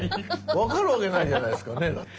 分かるわけないじゃないっすかねだって。